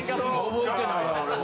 覚えてないなぁ俺は。